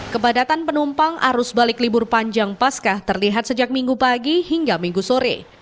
kepadatan penumpang arus balik libur panjang pasca terlihat sejak minggu pagi hingga minggu sore